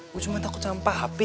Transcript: gue cuma takut sama papi